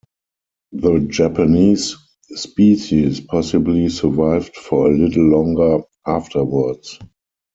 The Japanese species possibly survived for a little longer afterwards.